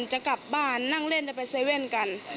จะกลับบ้านนั่งเล่นจะไปเซเว่นกัน